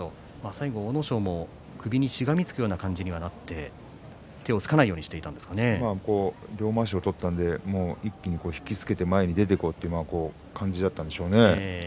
最後、阿武咲も首にしがみつくような感じではなくて手をつかないように両まわしを取ったので一気に引き付けて前に出ていこうという感じだったんでしょうね。